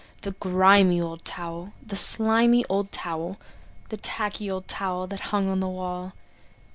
The grimy old towel, the slimy old towel, The tacky old towel that hung on the wall.